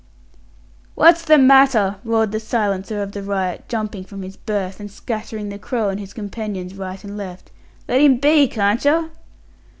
"Wot's the matter," roared the silencer of the riot, jumping from his berth, and scattering the Crow and his companions right and left. "Let him be, can't yer?"